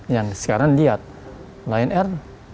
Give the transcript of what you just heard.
yang sekarang lihat lion air